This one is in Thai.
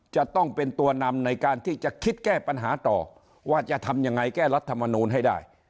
จะต้องเป็นตัวนำในการที่จะคิดแก้ปัญหาต่อว่าจะทำยังไงแก้รัฐมนูลให้ได้